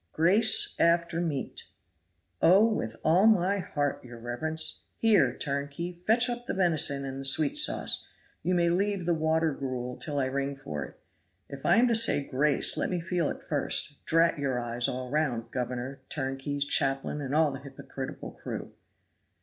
"GRACE AFTER MEAT. "Oh! with all my heart, your reverence! Here, turnkey, fetch up the venison and the sweet sauce you may leave the water gruel till I ring for it. If I am to say grace let me feel it first; drat your eyes all round, governor, turnkeys, chaplain and all the hypocritical crew!"